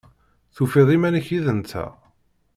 Tufiḍ iman-ik yid-nteɣ?